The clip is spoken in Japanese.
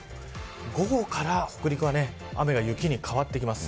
午後から北陸は雨が雪に変わってきます。